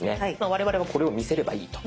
我々はこれを見せればいいと。